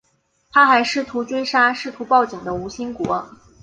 他还试图追杀试图报警的吴新国。